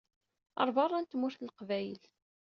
Ɣer berra n tmurt n Leqbayel.